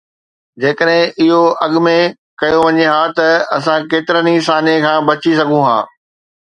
جيڪڏهن اهو اڳ ۾ ڪيو وڃي ها ته اسان ڪيترن ئي سانحي کان بچي سگهون ها.